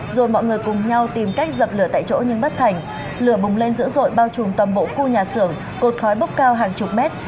rồi mọi người cùng nhau tìm cách dập lửa tại chỗ nhưng bất thành lửa bùng lên dữ dội bao trùm toàn bộ khu nhà xưởng cột khói bốc cao hàng chục mét